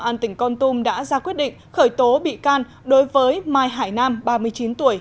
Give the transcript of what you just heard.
an tỉnh con tum đã ra quyết định khởi tố bị can đối với mai hải nam ba mươi chín tuổi